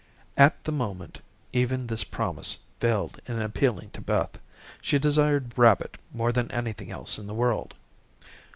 At the moment, even this promise failed in appealing to Beth. She desired rabbit more than anything else in the world.